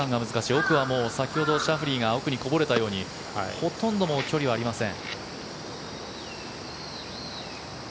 奥は先ほどシャフリーが奥にこぼれたようにほとんど距離はありません。